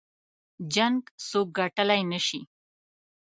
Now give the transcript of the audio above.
جـنګ څوك ګټلی نه شي